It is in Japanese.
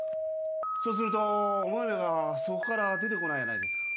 そうするとおまめがそこから出て来ないやないですか。